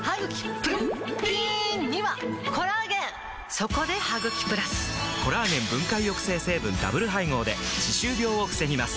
そこで「ハグキプラス」！コラーゲン分解抑制成分ダブル配合で歯周病を防ぎます